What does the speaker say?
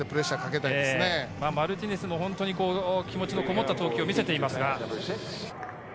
マルティネスも気持ちのこもった投球を見せていますが。